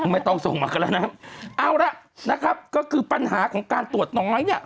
ไม่ต้องส่งมากันแล้วนะครับเอาละนะครับก็คือปัญหาของการตรวจน้อยเนี่ย